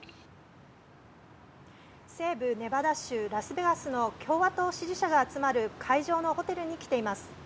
西部ネバダ州、ラスベガスの共和党支持者が集まる会場のホテルに来ています。